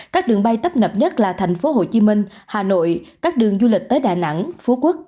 các đường bay tấp nập nhất là thành phố hồ chí minh hà nội các đường du lịch tới đà nẵng phú quốc